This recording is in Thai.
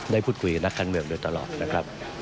ได้พูดคุยกับนักการเมืองโดยตลอดนะครับ